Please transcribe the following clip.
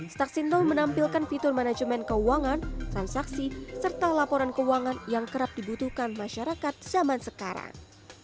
staksi nol menampilkan fitur manajemen keuangan transaksi serta laporan keuangan yang kerap dibutuhkan masyarakat zaman sekarang